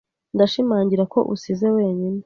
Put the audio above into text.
Ndashimangira ko usize wenyine.